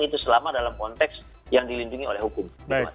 itu selama dalam konteks yang dilindungi oleh hukum